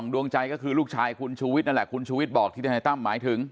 ดวงใจก็คือลูกชายคุณชูวิทย์นั่นแหละคุณชูวิทย์บอกที่ทนายตั้มหมายถึง